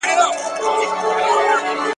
زه به اوږده موده ليکنه کړې وم،